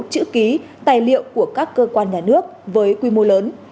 chữ ký tài liệu của các cơ quan nhà nước với quy mô lớn